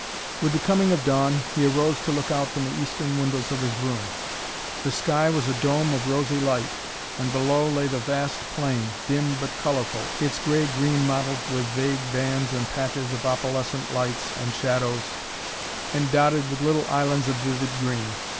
With the coming of dawn he arose to look out from the eastern windows of his room. The sky was a dome of rosy light and below lay the vast plain, dim but colorful, its gray green mottled with vague bands and patches of opalescent lights and shadows and dotted with little islands of vivid green.